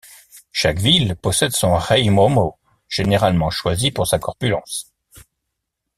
Chaque ville possède son Rei Momo, généralement choisi pour sa corpulence.